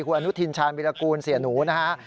คุณอนุทินชาญวิรากูลเสียหนูนะฮะ